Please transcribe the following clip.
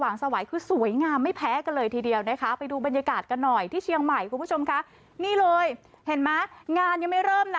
งานยังไม่เริ่มนะไม่ได้ที่วิธีเเบิร์ตดีด้วยโอเค